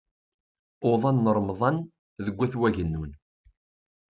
Uḍan n Remḍan deg Wat Wagennun.